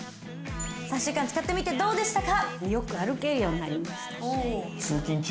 ３週間使ってみてどうでしたか？